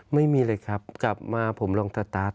ไม่มีเลยครับกลับมาผมลองสตาร์ท